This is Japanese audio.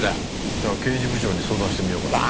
いや刑事部長に相談してみようかなって。